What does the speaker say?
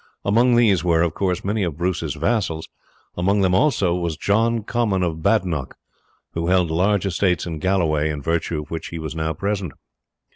Among these were, of course, many of Bruce's vassals; among them also was John Comyn of Badenoch, who held large estates in Galloway, in virtue of which he was now present.